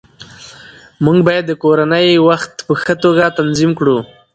موږ باید د کورنۍ وخت په ښه توګه تنظیم کړو